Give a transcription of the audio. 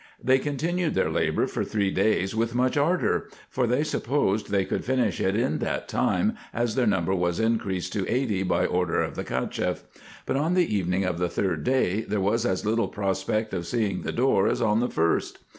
They continued their labour for three days with much ardour, for they supposed they could finish it in that time, as their number was increased to eighty by order of the Cacheff; but on the evening of the third day there was as little prospect of seeing the door as on the first.